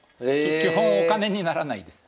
基本お金にならないです。